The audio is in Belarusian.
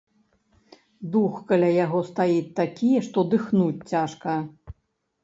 Дух каля яго стаіць такі, што дыхнуць цяжка.